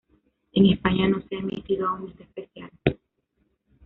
En España no se ha emitido aún este especial.